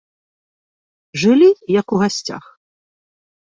Жылі, як у гасцях.